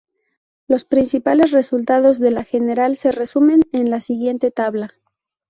Los principales resultados de la general se resumen en la siguiente tabla.